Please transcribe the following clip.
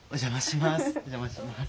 お邪魔します。